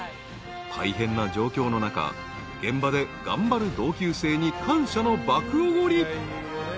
［大変な状況の中現場で頑張る同級生に感謝の爆おごり］